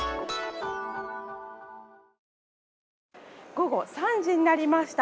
午後３時になりました。